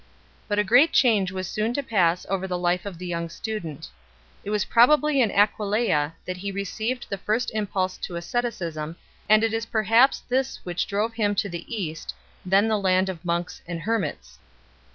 But a great change was soon to pass over the life of the young student. It was probably in Aquileia that he received the first impulse to asceticism, and it was perhaps this which drove him to the East, then the land of monks and hermits.